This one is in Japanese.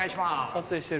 撮影してる。